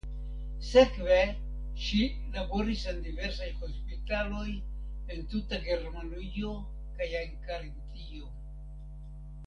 Sekve ŝi laboris en diversaj hospitaloj en tuta Germanujo kaj en Karintio.